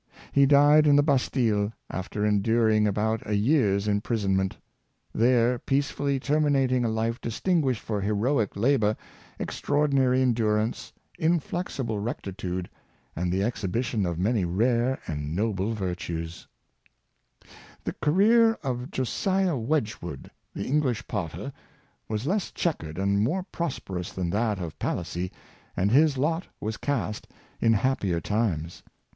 He died in the Bastile, after enduring about a year's imprisonment — there peacefully terminating a life distinguished for heroic labor, extra ordinary endurance, inflexible rectitude, and the exhi bition of many rare and noble virtues. 204 Josiali Wedgtvood. The career of Josiah Wedgwood, the English potter, was less chequered and more prosperous than that of Palissy, and his lot was cast in happier times.